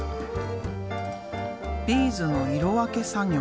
ビーズの色分け作業。